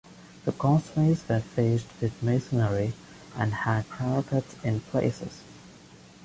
The causeways were faced with masonry and had parapets in places.